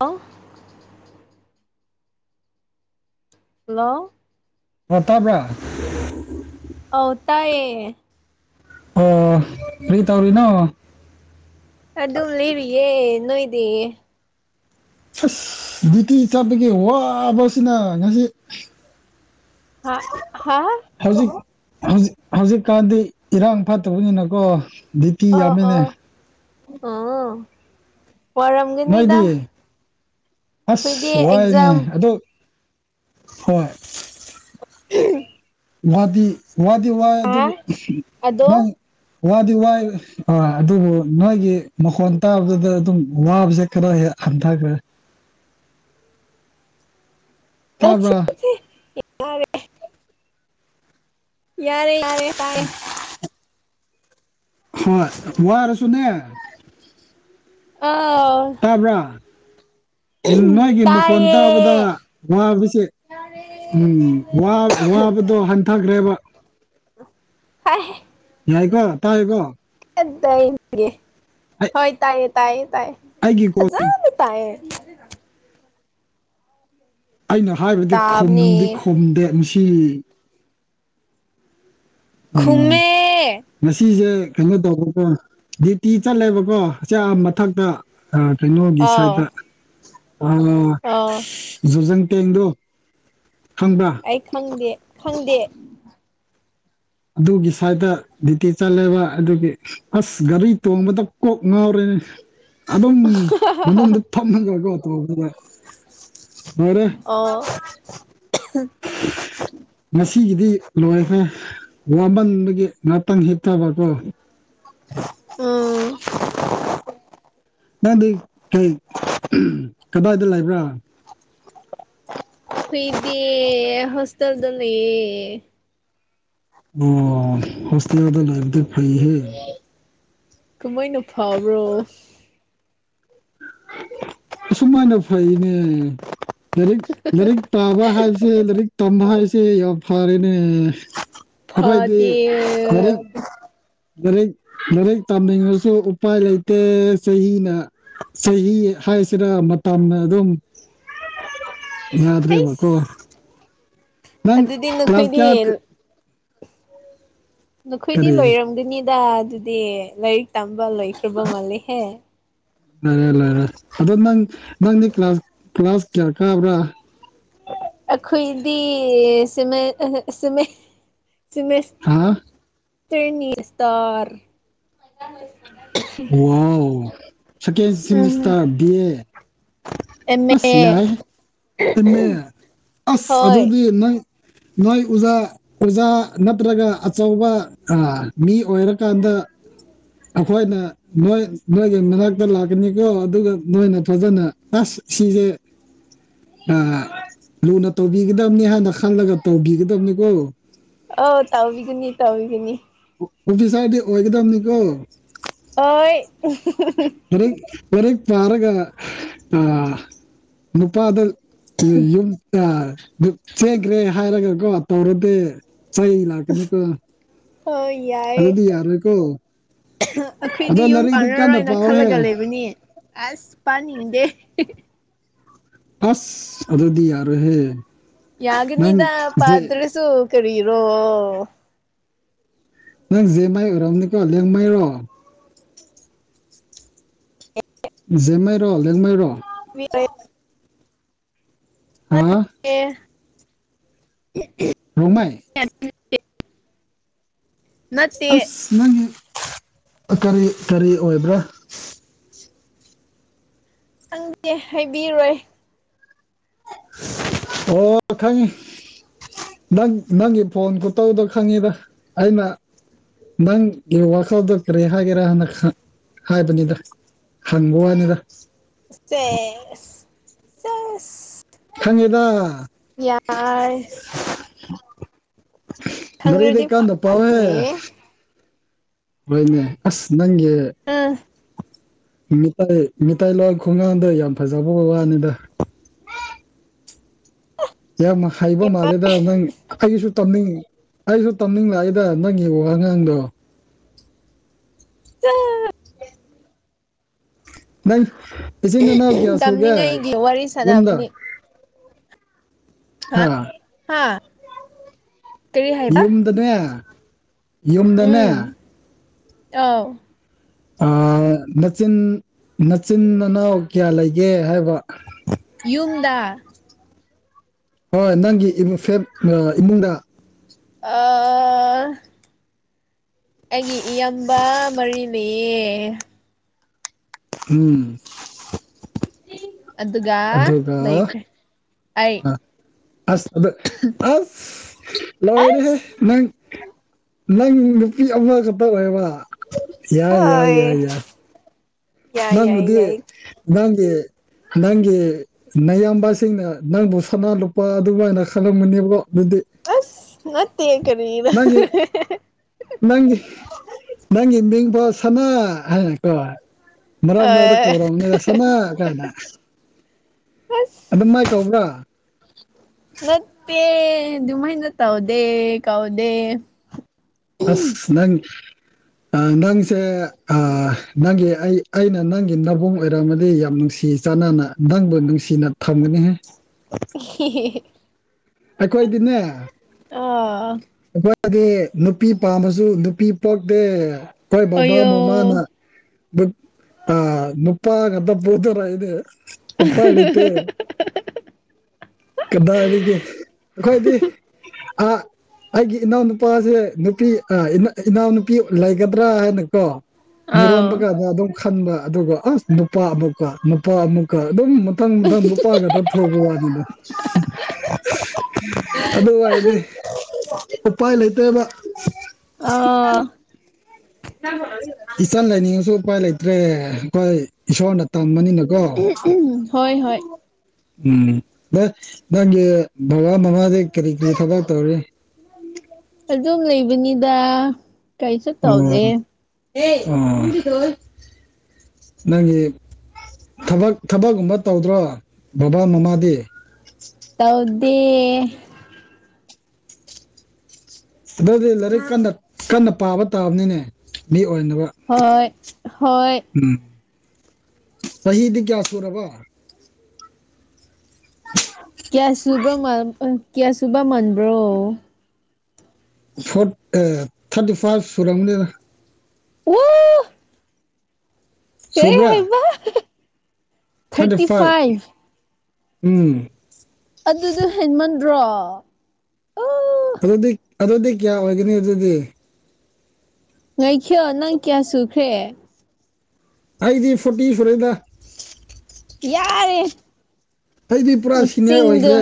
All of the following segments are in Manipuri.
ꯍꯂ ꯍꯜꯂꯣ ꯇꯥꯕ꯭ꯔꯥ ꯑꯣ ꯑ ꯇꯌꯦ ꯑꯣ ꯐꯔꯤ ꯇꯧꯔꯤꯅꯣ ꯑꯗꯨꯝ ꯂꯤꯔꯤꯌꯦꯦ ꯅꯣꯏꯗꯤ ꯑꯁ ꯕꯤꯌꯇꯤ ꯆꯠꯄꯒꯤ ꯋꯥꯕꯁꯤꯅ ꯉꯁꯤ ꯍꯥ ꯍꯥ ꯍꯧꯖꯤꯛ ꯍꯧꯖꯤꯛ ꯍꯧꯖꯤꯛꯀꯥꯟꯗꯤ ꯏꯔꯥꯡ ꯐꯠꯇꯕꯅꯤꯅꯀꯣ ꯗ꯭ꯌꯨꯇꯤ ꯑꯥ ꯌꯥꯝꯃꯤꯅꯦ ꯑꯥ ꯑꯥ ꯋꯥꯔꯝꯒꯅꯤꯗ ꯅꯣꯏꯗꯤ ꯑꯩꯈꯣꯏꯗꯤ ꯑꯁ ꯋꯥꯏꯅꯦ ꯑꯦꯛꯖꯥꯝ ꯑꯣ ꯍꯣꯏ ꯎ ꯋꯥꯗꯤ ꯋꯥꯗꯤ ꯋꯥꯏ ꯑꯗꯨꯕꯨ ꯑ ꯑꯗꯣ ꯅꯪ ꯋꯥꯗꯤ ꯋꯥꯏ ꯍꯣꯏ ꯑꯗꯨꯕꯨ ꯅꯣꯏꯒꯤ ꯃꯈꯣꯟ ꯇꯥꯕꯗꯨꯗ ꯑꯗꯨꯝ ꯋꯥꯕꯁꯦ ꯈꯔ ꯍꯦꯛ ꯍꯟꯊꯈ꯭ꯔ ꯇꯥꯕ꯭ꯔꯥ ꯌꯥꯔꯦ ꯌꯥꯔꯦ ꯌꯥꯔꯦ ꯇꯥꯏꯦ ꯍꯣꯏ ꯋꯥꯔꯁꯨꯣꯅꯦ ꯍꯥꯎ ꯕ꯭ꯔꯥ ꯃꯥꯣꯏꯒꯤ ꯃꯈꯣꯟ ꯇꯥꯏꯌꯦ ꯇꯥꯕꯗ ꯋꯥꯕꯁꯦ ꯎꯝ ꯋꯥꯕꯗꯣ ꯍꯟꯊꯈ꯭ꯔꯦꯕ ꯍꯥꯏ ꯌꯥꯏꯀꯣ ꯇ ꯍꯥꯏꯦꯀꯣ ꯦ ꯍꯣꯏ ꯇꯥꯏꯌꯦ ꯇꯥꯏꯌꯦ ꯇꯥꯏꯌꯦ ꯍꯥꯏꯒꯤ ꯀꯣ ꯇꯥꯏꯌꯦꯟ ꯑꯩꯅ ꯍꯥꯏꯕꯗꯤ ꯇꯥꯕꯅꯦ ꯈꯨꯝꯗꯤ ꯈꯨꯝꯗꯦ ꯃꯁꯤ ꯎꯝ ꯈꯨꯃꯦ ꯉꯁꯤꯁꯦ ꯀꯩꯅꯣ ꯇꯧꯕꯀꯣ ꯗ꯭ꯌꯨꯇꯤ ꯆꯠꯂꯦꯕꯀꯣ ꯆꯦ ꯃꯊꯛꯇ ꯑ ꯇꯅꯣꯒꯤ ꯑꯥꯎ ꯁꯥꯏꯗ ꯑ ꯑꯥꯎ ꯖꯨꯖꯪ ꯇꯦꯡꯗꯣ ꯈꯪꯕ꯭ꯔꯥ ꯑꯩ ꯈꯪꯗꯦ ꯈꯪꯗꯦ ꯑꯗꯨꯒꯤ ꯁꯥꯏꯠꯇ ꯗꯌꯨꯇꯤ ꯆꯠꯂꯦꯕ ꯑꯗꯨꯒꯤ ꯑꯁ ꯒꯥꯔꯤ ꯇꯣꯡꯕꯗ ꯀꯣꯛ ꯉꯥꯎꯔꯦꯅꯦ ꯑꯗꯨꯝ ꯃꯅꯨꯡꯗ ꯊꯃꯒꯠ [unintelligible] ꯃꯔꯦ ꯑꯣ ꯉꯁꯤꯒꯤꯗꯤ ꯂꯣꯏꯈ꯭ꯔꯦ ꯋꯥꯃꯟꯕꯒꯤ ꯉꯥꯛꯇꯪ ꯍꯤꯞꯊꯕꯀꯣ ꯑꯣ ꯅꯪꯗꯤ ꯀꯩ ꯀꯗꯥꯏꯗ ꯂꯩꯕ꯭ꯔꯥ ꯈꯣꯢꯗꯤ ꯍꯣꯁꯇꯦꯜꯗ ꯂꯩꯌꯦ ꯑꯣ ꯍꯣꯁꯇꯦꯜꯗ ꯂꯩꯕꯗꯤ ꯐꯩꯍꯦ ꯀꯃꯥꯢꯅ ꯐꯥꯕ꯭ꯔꯣ ꯁꯨꯃꯥꯏꯅ ꯐꯩꯅꯦ ꯂꯩꯔꯤꯛ ꯂꯩꯔꯤꯛ ꯄꯥꯕ ꯍꯥꯏꯁꯦ ꯂꯥꯏꯔꯤꯛ ꯇꯝꯕ ꯍꯥꯏꯁꯦ ꯌꯥꯝ ꯐꯔꯦꯅꯦ ꯑꯗꯣ ꯑꯩꯗꯤ ꯐꯗꯦ ꯂꯩꯔꯤꯛ ꯂꯥꯏꯔꯤꯛ ꯂꯥꯏꯔꯤꯛ ꯇꯝꯅꯤꯡꯉꯁꯨ ꯎꯄꯥꯏ ꯂꯩꯇꯦ ꯆꯍꯤꯅ ꯆꯍꯤ ꯍꯥꯏꯁꯤꯔ ꯃꯇꯝꯅ ꯑꯗꯨꯝ ꯌꯥꯗ꯭ꯔꯦꯕꯀꯣ ꯑꯩꯁ ꯅꯪ ꯑꯗꯨꯗꯤ ꯀ꯭ꯂꯥꯁ ꯅꯈꯣꯏꯗꯤ ꯀꯌꯥ ꯅꯈꯣꯏꯗꯤ ꯀꯔꯤ ꯂꯣꯏꯔꯝꯒꯅꯤꯗ ꯑꯗꯨꯗꯤ ꯂꯥꯏꯔꯤꯛ ꯇꯝꯕ ꯂꯣꯏꯈ꯭ꯔꯕ ꯃꯥꯜꯂꯤꯍꯦ ꯂꯣꯏꯔꯦ ꯂꯣꯏꯔꯦ ꯑꯗꯣ ꯅꯪ ꯅꯪꯗꯤ ꯀ꯭ꯂꯥꯁ ꯀ꯭ꯂꯥꯁ ꯀꯌꯥ ꯀꯥꯕ꯭ꯔꯥ ꯑꯩꯈꯣꯏꯗꯤ ꯁꯤꯃꯦ ꯁꯤꯃꯦ ꯁꯦꯃꯤꯁ ꯍꯥ ꯇ꯭ꯔꯦꯅꯤ ꯁꯇꯥꯔ ꯋꯥꯎ ꯁꯦꯀꯦꯟꯗ ꯎꯝ ꯁꯦꯃꯦꯁꯇꯔ ꯕꯤ ꯑꯦ ꯑꯦꯝ ꯑꯁ ꯑꯦ ꯌꯥꯏꯍꯦ ꯑꯦꯝꯃꯦ ꯑꯁ ꯍꯣꯏ ꯑꯗꯨꯗꯤ ꯅꯪ ꯅꯣꯏ ꯎꯖꯥ ꯑꯣꯖꯥ ꯅꯠꯇ꯭ꯔꯒ ꯑꯆꯧꯕ ꯃꯤ ꯑꯣꯏꯔꯀꯥꯟꯗ ꯑꯈꯣꯏꯅ ꯅꯣꯏ ꯅꯣꯏꯒꯤ ꯃꯅꯥꯛꯇ ꯂꯥꯛꯀꯅꯤꯀꯣ ꯑꯗꯨꯒ ꯅꯣꯏꯅ ꯐꯖꯅ ꯑꯁ ꯁꯤꯁꯦ [unintelligible] ꯂꯨꯅ ꯇꯧꯕꯤꯒꯗꯕꯅꯤ ꯍꯥꯏꯅ ꯈꯜꯂꯒ ꯇꯧꯕꯤꯒꯗꯕꯅꯤꯀꯣ ꯑꯥꯎ ꯇꯥꯎꯕꯤꯒꯅꯤ ꯇꯥꯎꯕꯤꯒꯅꯤ ꯑꯣꯐꯤꯁꯥꯔꯗꯤ ꯑꯣꯏꯒꯗꯝꯅꯤꯀꯣ ꯍꯣꯢ [unintelligible] ꯂꯩꯔꯤꯛ ꯂꯩꯔꯤꯛ ꯄꯥꯔꯒ ꯑꯥ ꯅꯨꯄꯥꯗ ꯌꯨꯝ ꯆꯦꯟꯈ꯭ꯔꯦ ꯍꯥꯏꯔꯒ ꯀꯣ ꯇꯧꯔꯗꯤ ꯆꯩ ꯂꯥꯛ ꯀꯅꯤ ꯀꯣ ꯍꯣꯢ ꯌꯥꯏꯌꯦ ꯑꯗꯣ ꯑꯩꯈꯣꯏꯗꯤ ꯌꯨꯝ ꯂꯥꯏꯔꯤꯛꯇꯣ ꯀꯟꯅ ꯄꯥꯟꯂꯔꯣꯏꯅ ꯄꯥꯎꯍꯦ ꯈꯜꯂꯒ ꯂꯩꯕꯅꯤ ꯑꯁ ꯄꯥꯅꯤꯡꯗꯦ [unintelligible] ꯑꯁ ꯑꯗꯨꯗꯤ ꯌꯥꯔꯣꯢꯍꯦ ꯌꯥꯒꯅꯤꯗ ꯄꯥꯟꯗ꯭ꯔꯁꯨ ꯀꯔꯤꯔꯣ ꯅꯪ ꯖꯦ ꯃꯥꯏ ꯑꯣꯏꯔꯝꯒꯅꯤꯀꯣ ꯂꯦꯡꯃꯩꯔꯣ ꯖꯦꯝꯃꯩꯔꯣ ꯂꯦꯡꯃꯩꯔꯣ ꯃꯤ ꯍꯥ ꯑꯦ [unintelligible] ꯔꯣꯡꯃꯥꯏ [inaudible] ꯑꯁ ꯅꯪꯒꯤ ꯀꯔꯤ ꯀꯔꯤ ꯑꯣꯏꯕ꯭ꯔꯥ ꯈꯪꯗꯦ ꯍꯥꯏꯕꯤꯔꯣꯏ ꯑꯣ ꯈꯪꯉꯤ ꯅꯪ ꯅꯪꯒꯤ ꯐꯣꯟ ꯈꯨ ꯇꯧꯗꯣ ꯈꯪꯉꯤꯗ ꯑꯩꯅ ꯅꯪꯒꯤ ꯋꯥꯈꯜꯗ ꯀꯔꯤ ꯍꯥꯏꯒꯦꯔꯥ ꯍꯥꯢꯅ ꯍꯥꯏꯕꯅꯤꯗ ꯍꯪꯕ ꯋꯥꯅꯤꯗ ꯁꯦꯁ ꯁꯦꯁ ꯈꯪꯉꯤꯗ ꯌꯥꯔ [inaudible] ꯔꯤꯗꯤ ꯈꯪꯔꯗꯤ ꯀꯥꯟꯅ ꯄꯥꯎꯍꯦ ꯐꯅꯤ ꯍꯣꯏꯅꯦ ꯑꯁ ꯅꯪꯒꯤ ꯑꯥ ꯃꯤꯇꯩꯥꯏ ꯃꯤꯇꯩꯇꯥꯏ ꯂꯋꯥ ꯈꯣꯡꯒꯥꯡꯗ ꯌꯥꯝ ꯐꯖꯕ ꯋꯥꯅꯤꯗ ꯌꯥꯝ ꯍꯥꯏꯕ ꯃꯥꯂ ꯗ ꯅꯪ ꯑꯩꯁꯨ ꯇꯝꯅꯤꯡ ꯑꯩꯁꯨ ꯇꯝꯅꯤꯡꯂꯛꯏꯗ ꯅꯪꯒꯤꯕ ꯋꯉꯥꯡꯗꯣ [unintelligible] ꯅꯪ ꯏꯁꯤꯡꯅꯦ ꯅꯅꯥꯎ ꯀꯌꯥ ꯇꯝꯅꯤꯡꯉꯥꯏꯒꯤ ꯋꯥꯔꯤ ꯁꯨꯒꯌꯨꯝꯗꯔ ꯁꯥꯟꯅꯕꯅꯤ ꯍꯥ ꯍꯥ ꯀꯔꯤ ꯍꯥꯏꯕ ꯌꯨꯝꯗꯅꯦ ꯎꯝ ꯌꯨꯝꯗꯅꯦ ꯑꯥꯎ ꯅꯆꯤꯟ ꯅꯆꯤꯟ ꯃꯅꯥꯎ ꯀꯌꯥ ꯂꯩꯒꯦ ꯍꯥꯏꯕ ꯌꯨꯝꯗ ꯍꯣꯏ ꯅꯪꯒꯤ ꯐ ꯏꯃꯨꯡꯗ ꯑꯥ ꯑꯩꯒꯤ ꯏꯌꯥꯝꯕ ꯃꯔꯤ ꯂꯩꯌꯦ ꯎꯝ ꯑꯗꯨꯒ ꯑꯗꯨꯒ ꯂꯩꯈ꯭ꯔꯦ ꯑꯩ ꯑ ꯑꯁꯗ ꯑꯁ ꯑꯁ ꯂꯣꯏꯔꯦ ꯅꯪ ꯅꯪ ꯅꯨꯄꯤ ꯑꯃ ꯈꯛꯇ ꯑꯣꯏꯕ ꯌꯥꯏ ꯌꯥꯏ ꯌꯥꯏ ꯍꯣꯏ ꯌꯥꯏ ꯌꯥꯏ ꯌꯥꯏ ꯅꯪꯕꯨꯗꯤ ꯌꯥꯏ ꯅꯪꯒꯤ ꯅꯪꯒꯤ ꯅꯌꯥꯝꯕꯁꯤꯡꯅ ꯅꯪꯕꯨ ꯁꯅꯥ ꯂꯨꯄꯥ ꯑꯗꯨꯃꯥꯏꯅ ꯈꯪꯂꯝꯃꯅꯦꯕꯀꯣ ꯑꯗꯨꯗꯤ ꯑꯁ ꯅꯥꯠꯇ ꯀꯔꯤꯔ ꯅꯪꯒꯤ ꯅꯪꯒꯤ ꯅꯪꯒꯤ ꯃꯤꯡꯕꯣ ꯁꯅꯥ ꯍꯥꯏꯀꯣ ꯃꯔꯛ ꯃꯔꯛꯇ ꯑꯥ ꯀꯧꯔꯕꯅꯤꯗ ꯁꯅꯥ ꯀꯥꯏꯅ ꯑꯗꯨꯝ ꯑꯁ ꯃꯥꯏ ꯀꯧꯕ꯭ꯔꯥ ꯅꯠꯇꯦ ꯃꯥꯏꯟ ꯅꯠꯇꯥꯎꯗꯦ ꯀꯥꯎꯗꯦ ꯑꯁ ꯅꯪ ꯅꯪꯁꯦ ꯅꯪꯒꯤ ꯑꯩ ꯑꯩꯅ ꯅꯪꯒꯤ ꯅꯕꯨꯡ ꯑꯣꯏꯔꯝꯑꯃꯗꯤ ꯌꯥꯝ ꯅꯨꯡꯁꯤꯖ ꯆꯥꯟꯅꯥ ꯅꯪꯕ ꯅꯨꯡꯁꯤꯅꯥ ꯊꯝꯒꯍꯦ [unintelligible] ꯑꯩꯈꯣꯏꯗꯤꯅꯦ ꯑꯥ ꯑꯩꯈꫭꯏꯗꯤ ꯅꯨꯄꯤ ꯄꯥꯝꯃꯁꯨ ꯅꯨꯄꯤ ꯄꯣꯛꯇꯦ ꯑꯩꯈꯣꯏ ꯕꯕꯥ ꯑꯣꯌꯣ ꯃꯃꯥꯅ ꯑ ꯅꯨꯄꯥꯒ ꯑꯗ ꯄꯨꯗꯔ ꯏꯦ ꯎꯄꯥ ꯍꯥꯏꯇ ꯀꯗꯥꯏꯗꯒꯤ ꯑꯩꯈꯣꯏꯗꯤ ꯑ ꯑꯩꯒꯤ ꯏꯅꯥꯎꯅꯨꯄꯥꯁꯦ ꯅꯨꯄꯤ ꯏꯅꯥꯎꯅꯨꯄꯤ ꯂꯩꯒꯗ꯭ꯔꯥ ꯍꯥꯏꯅꯀꯣ ꯃꯤꯔꯣꯟꯕ ꯑꯥꯎ ꯀꯥꯟꯗ ꯑꯗꯨꯝ ꯈꯟꯕ ꯑꯗꯨꯒ ꯑꯁ ꯅꯨꯄꯥ ꯑꯃꯨꯛꯀ ꯅꯨꯄꯥ ꯑꯃꯨꯛꯀ ꯑꯗꯨꯝ ꯃꯊꯪ ꯃꯊꯪ ꯅꯨꯄꯥꯒ ꯊꯞ ꯊꯣꯛꯑꯕ ꯋꯥꯅꯤꯅ ꯑꯗꯨ ꯑꯣꯏꯔꯗꯤ ꯎꯄꯥꯏ ꯂꯩꯇꯕ ꯑꯥ ꯏꯆꯟ ꯂꯥꯏꯅꯤꯡꯉꯁꯨ ꯎꯄꯥꯏ ꯂꯩꯇ꯭ꯔꯦ ꯑꯩꯈꯣꯏ ꯏꯁꯣꯔꯅ ꯇꯝꯕꯅꯤꯅ ꯑꯣ ꯍꯣꯏ ꯍꯣꯏ ꯎꯝ ꯅꯪꯒꯤ ꯕꯕꯥ ꯃꯃꯥꯗ ꯀꯔꯤ ꯀꯔꯤ ꯊꯕꯛ ꯇꯧꯔꯤ ꯑꯗꯨꯝ ꯂꯩꯕꯅꯤꯗ ꯀꯩꯁꯨ ꯇꯧꯗꯦ ꯑꯣ ꯑꫭ ꯅꯪꯒꯤ ꯊꯕꯛ ꯊꯕꯛꯀꯨꯝꯕ ꯇꯧꯗ꯭ꯔꯣ ꯕꯕꯥ ꯃꯃꯥꯗꯤ ꯇꯧꯗꯦ ꯑꯗꯨꯗꯤ ꯂꯥꯏꯔꯤꯛ ꯀꯟꯅ ꯀꯟꯅ ꯄꯥꯕ ꯇꯥꯕꯅꯤꯅꯦ ꯃꯤ ꯑꯣꯏꯅꯕ ꯍꯣꯏ ꯍꯣꯏ ꯎ ꯆꯍꯤꯗꯤ ꯀꯌꯥ ꯁꯨꯔꯕ [inaudible] ꯀꯌꯥꯁꯨꯕ꯭ꯔꯃꯥ ꯀꯌꯥꯁꯨꯕ ꯃꯟꯕ꯭ꯔꯣ ꯐꯣꯔ ꯊꯥꯔꯇꯤ ꯐꯥꯁ ꯁꯨꯔꯅꯤ ꯋꯥ ꯀꯦ ꯁꯨꯕ꯭ꯔꯥ ꯍꯥꯏꯕ ꯊꯥꯔꯇꯤ ꯐꯥꯏꯚ ꯎꯝ ꯑꯗꯨꯗꯣ ꯍꯦꯟꯃꯟꯗ꯭ꯔꯣ ꯑꯣ ꯑꯗꯨꯗꯤ ꯑꯗꯨꯗꯤ ꯀꯌꯥ ꯑꯣꯏꯒꯅꯤ ꯑꯗꯨꯗꯤ ꯉꯥꯏꯈꯌꯣ ꯅꯪ ꯀꯌꯥ ꯁꯨꯈ꯭ꯔꯦ ꯑꯩꯗꯤ ꯐꯣꯔꯇꯤ ꯁꯨꯔꯦꯗ ꯌꯥꯔꯦ ꯑꯩꯗꯤ ꯄꯨꯔꯥ ꯁꯤꯅꯤꯌꯔ ꯃꯆꯤꯡꯗꯣ ꯑꯣꯏꯈ꯭ꯔꯦ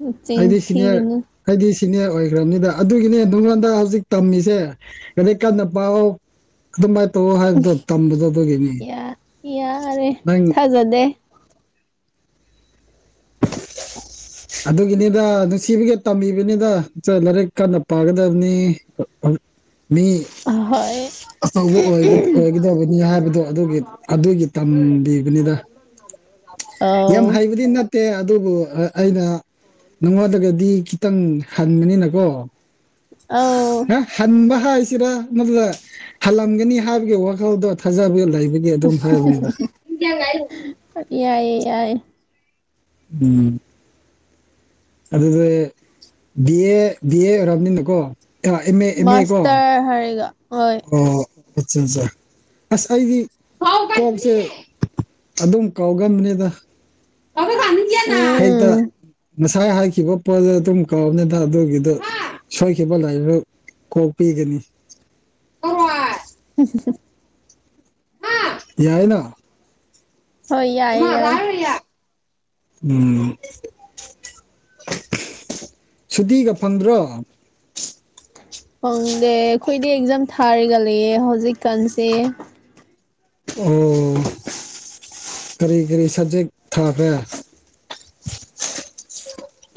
ꯃꯆꯤꯡ ꯑꯩꯗꯤ ꯁꯤꯅꯤꯌꯔ ꯊꯤꯒꯅꯨ ꯍꯥꯏꯗꯤ ꯁꯤꯅꯦ ꯑꯣꯏꯈ꯭ꯔꯕꯅꯤꯗ ꯑꯗꯨꯒꯤꯅꯦ ꯅꯉꯣꯟꯗ ꯍꯧꯖꯤꯛ ꯇꯝꯃꯤꯁꯦ ꯀꯗ ꯀꯟꯅ ꯄꯥꯎ ꯑꯗꯨꯃꯍꯥꯏꯅ ꯇꯧꯑꯣ ꯍꯥꯏꯕꯗꯣ ꯇꯝꯕꯗꯣ ꯑꯗꯨꯒꯤꯅꯤ ꯅꯪ ꯖꯗꯦ [inaudible] ꯑꯗꯨꯒꯤꯅꯤꯗ ꯅꯨꯡꯁꯤꯕꯒꯤ ꯇꯝꯃꯤꯕꯅꯤꯗ ꯂꯥꯏꯔꯤꯛ ꯀꯟꯅ ꯄꯥꯒꯗꯕꯅꯤ ꯃꯤ ꯑꯍꯣꯏ ꯑꯐꯧꯕ ꯑꯣꯏꯒꯗꯕꯅꯤ ꯍꯥꯏꯕꯗꯣ ꯑꯗꯨꯒꯤ ꯑꯗꯨꯒꯤ ꯇꯝꯕꯤꯕꯅꯤꯗ ꯑ ꯑ ꯌꯥꯝ ꯍꯩꯕꯗꯤ ꯅꯠꯇꯦ ꯑꯗꯨꯕꯨ ꯑꯩꯅ ꯅꯪꯉꯣꯟꯗꯒꯗꯤ ꯈꯤꯇꯪ ꯍꯟꯕꯅꯤꯅꯀꯣ ꯑꯧ ꯍꯟꯕ ꯍꯥꯏꯁꯤꯔ ꯃꯗꯨꯗ ꯍꯜꯂꯝꯒꯅꯤ ꯍꯥꯏꯕꯒꯤ ꯋꯥꯈꯜꯗꯣ ꯊꯥꯖꯕ ꯂꯩꯕꯅꯤ ꯌꯥꯏꯌꯦ ꯌꯥꯏ ꯎꯝ ꯑꯗꯨꯗꯤ ꯕꯤ ꯑꯦ ꯕꯤ ꯑꯦ ꯑꯣꯏꯔꯕꯅꯤꯅꯀꯣ ꯑ ꯑꯦꯝ ꯑꯦ ꯑꯦꯝ ꯑꯦ ꯀꯣ ꯍꯥꯏꯔ ꯍꯥꯏꯔꯒ ꯍꯣꯏ ꯑꯣ ꯑꯠ ꯑꯠꯆꯥ ꯑꯁ ꯑꯩꯗꯤ ꯀꯣꯛꯁꯦ ꯑꯗꯨꯝ ꯀꯥꯎꯒꯟꯕꯅꯤꯗ ꯎꯝ ꯉꯁꯥꯏ ꯍꯥꯏꯈꯤꯕ ꯄꯣꯠꯗꯣ ꯑꯗꯨꯝ ꯀꯧꯕꯅꯤꯗ ꯑꯗꯨꯒꯤꯗꯨ ꯁꯣꯏꯈꯤꯕ ꯂꯥꯏꯔ ꯀꯣꯛꯄꯤꯒꯅꯤ [unintelligible] ꯍꯝ ꯍꯝ ꯌꯥꯏꯅ ꯍꯣꯏ ꯌꯥꯏꯌꯦ ꯌꯥꯏ [unintelligible] ꯎꯝ ꯁꯨꯇꯤꯒ ꯐꯪꯗ꯭ꯔꯣ ꯈꯪꯗꯦ ꯑꯩꯈꯣꯏꯗꯤ ꯑꯦꯛꯖꯥꯝ ꯊꯥꯔꯤꯒ ꯂꯩꯌꯦ ꯍꯧꯖꯤꯛꯀꯥꯟꯁꯦ ꯑꯣ ꯀꯔꯤ ꯀꯔꯤ ꯁꯕꯖꯦꯛ ꯊꯥꯈ꯭ꯔꯦ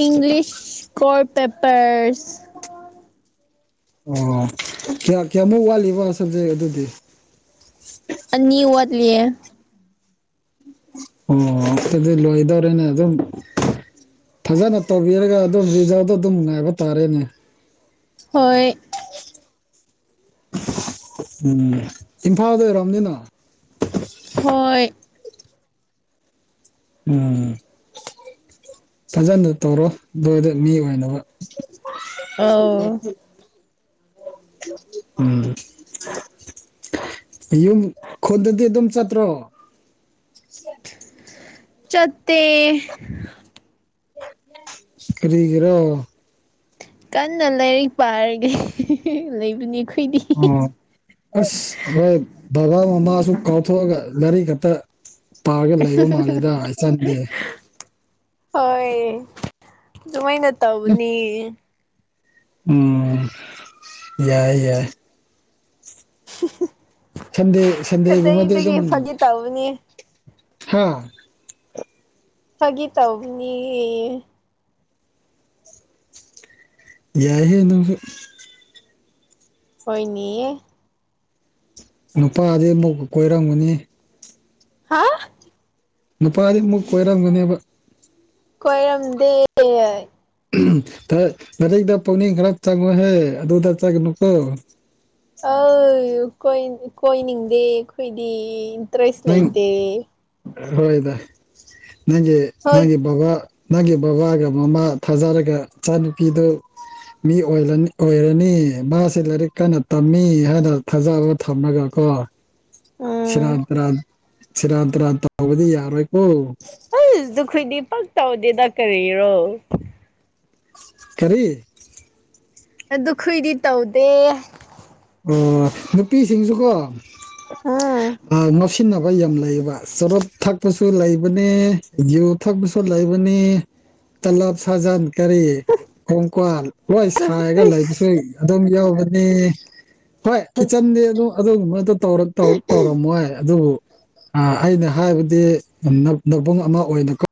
ꯏꯪꯂꯤꯁ ꯀꯣꯔ ꯄꯦꯄꯔꯁ ꯑꯣ ꯀꯌꯥꯃꯨꯛ ꯋꯥꯠꯂꯤꯕ ꯁꯕꯖꯦꯛ ꯑꯗꯨꯗꯤ ꯑꯅꯤ ꯋꯥꯠꯂꯤꯌꯦ ꯑꯣ ꯗꯨꯗꯤ ꯂꯣꯏꯗꯧꯔꯦꯅꯦ ꯑꯗꯨꯝ ꯐꯖꯅ ꯇꯧꯕꯤꯔꯒ ꯑꯗꯨꯝ ꯔꯤꯖꯜꯗꯣ ꯑꯗꯨꯝ ꯉꯥꯏꯕ ꯇꯥꯔꯦꯅꯦ ꯍꯣꯏ ꯎꯝ ꯏꯝꯐꯥꯜꯗ ꯑꯣꯏꯔꯝꯅꯤꯅ ꯍꯣꯏ ꯎꯝ ꯐꯖꯅ ꯇꯧꯔꯣ ꯑꯗꯨꯋꯥꯏꯗ ꯃꯤ ꯑꯣꯏꯅꯕ [inaudible] ꯑꯧ ꯎꯝ ꯌꯨꯝ ꯈꯨꯜꯗꯗꯤ ꯑꯗꯨꯝ ꯆꯠꯇ꯭ꯔꯣ ꯆꯠꯇꯦ ꯀꯔꯤꯒꯤꯔꯣ ꯀꯟꯅ ꯂꯥꯏꯔꯤꯛ ꯄꯥꯔꯒ ꯂꯩꯕꯅꯤ ꯑꯩꯈꯣꯏꯗꯤ ꯑꯣ ꯑꯁ ꯍꯣꯏ ꯕꯕꯥ ꯃꯃꯥꯁꯨ ꯀꯥꯎꯊꯣꯛꯑꯒ ꯂꯥꯏꯔꯤꯛ ꯈꯛꯇ ꯄꯥꯔꯒ ꯂꯩꯕ ꯃꯥꯜꯂꯦꯗ ꯏꯆꯥꯟꯗꯤ ꯍꯣꯏ ꯑꯗꯨꯃꯥꯏꯅ ꯇꯧꯕꯅꯦ ꯎꯝ ꯌꯥꯏ ꯌꯥꯏ [inaudible] ꯁꯟꯗꯦ ꯁꯟꯗꯦ ꯒꯨꯝꯕꯗꯤ ꯑꯗꯨꯝ ꯀꯗꯥꯏꯗꯒꯤ ꯐꯥꯒꯤ ꯇꯧꯕꯅꯤ ꯍꯥꯥ ꯐꯥꯒꯤ ꯇꯧꯕꯅꯦ ꯌꯥꯏꯍꯦ ꯅꯪꯁꯨ ꯍꯣꯏꯅꯦ ꯅꯨꯄꯥꯗꯤ ꯑꯃꯨꯛ ꯀꯣꯏꯔꯝꯒꯅꯤ ꯍꯥ ꯅꯨꯄꯥꯗꯤ ꯑꯃꯨꯛ ꯀꯣꯏꯔꯝꯒꯅꯦꯕ ꯀꯣꯏꯔꯝꯗꯦ ꯂꯥꯏꯔꯤꯛꯇ ꯄꯨꯛꯅꯤꯡ ꯈꯔ ꯆꯪꯉꯨꯍꯦ ꯑꯗꯨꯗ ꯆꯪꯒꯅꯨꯀꯣ ꯑꯦ ꯀꯣꯏꯅꯤꯡꯗꯦ ꯑꯩꯈꯣꯏꯗꯤ ꯗꯔꯦꯁ ꯅꯪ ꯂꯩꯇꯦ ꯍꯣꯏꯗ ꯅꯪꯒꯤ ꯍꯣꯏ ꯅꯪꯒꯤ ꯕꯕꯥ ꯅꯪꯒꯤ ꯕꯕꯥꯒ ꯃꯃꯥ ꯊꯥꯖꯔꯒ ꯏꯆꯥ ꯅꯨꯨꯄꯤꯗꯨ ꯃꯤ ꯑꯣꯏ ꯑꯣꯏꯔꯅꯤ ꯃꯥꯁꯦ ꯂꯥꯏꯔꯤꯛ ꯀꯟꯅ ꯇꯝꯃꯤ ꯍꯥꯏꯅ ꯊꯥꯖꯕ ꯊꯝꯃꯒ ꯀꯣ ꯑꯝ ꯁꯦꯔꯥꯟ ꯇꯨꯔꯥꯟ ꯁꯦꯔꯥꯟ ꯇꯨꯔꯥꯟ ꯇꯧꯕꯗꯤ ꯌꯥꯔꯣꯏꯀꯣ ꯑꯩꯖ ꯗꯨ ꯈꯣꯏꯗꯤ ꯄꯥꯛ ꯇꯧꯗꯦꯗ ꯀꯔꯤꯔꯣ ꯀꯔꯤ ꯑꯗꯨ ꯈꯣꯏꯗꯤ ꯇꯧꯗꯦ ꯑꯣ ꯅꯨꯄꯤꯁꯤꯡꯖꯨꯀꯣ ꯎꯝ ꯑ ꯉꯥꯎꯁꯤ__ ꯏꯟꯅꯕ ꯌꯥꯝ ꯂꯩꯌꯦꯕ ꯆꯣꯔꯨꯞ ꯊꯛꯄꯁꯨ ꯂꯩꯕꯅꯦ ꯌꯨ ꯊꯛꯄꯁꯨ ꯂꯩꯕꯅꯦ ꯇꯜꯂ꯭ꯕ ꯁꯥꯖꯟ ꯀꯔꯤ ꯒꯣꯀ꯭ꯋꯥ ꯂꯣꯏ ꯁꯥꯏꯔꯒ ꯏꯁ ꯂꯩꯕꯁꯨ ꯑꯗꯨꯝ ꯌꯥꯎꯕꯅꯦ ꯍꯣꯏ ꯏꯆꯟꯗꯤ ꯑꯗꯨ ꯑꯗꯨꯒꯨꯝꯕꯗꯨ ꯇꯧꯔꯛ ꯇꯧ ꯇꯧꯔꯝꯃꯣꯏ ꯑꯗꯨꯕꯨ ꯑ ꯑꯩꯅ ꯍꯥꯏꯕꯗꯤ ꯅ ꯅꯕ ꯅꯕꯨꯡ ꯑꯃ ꯑꯣꯏꯅ ꯀꯣ